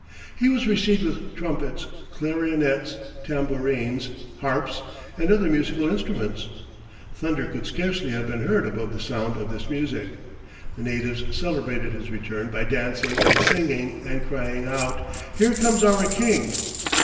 He was received with trumpets, clarionets, tambourines, harps, and other musical instruments. Thunder could scarcely have been heard above the sound of this music. The natives celebrated his return by dancing and singing, and crying out, "Here comes our king."